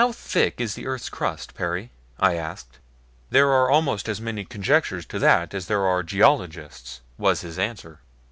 "How thick is the Earth's crust, Perry?" I asked. "There are almost as many conjectures as to that as there are geologists," was his answer.